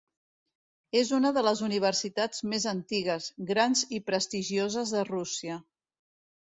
És una de les universitats més antigues, grans i prestigioses de Rússia.